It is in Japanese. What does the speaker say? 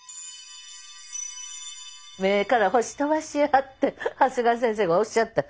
「目から星飛ばしや」って長谷川先生がおっしゃって。